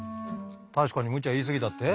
確かにむちゃ言い過ぎたって？